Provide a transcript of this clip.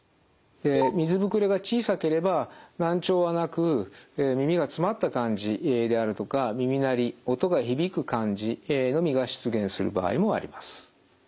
で水ぶくれが小さければ難聴はなく耳がつまった感じであるとか耳鳴り音が響く感じのみが出現する場合もあります。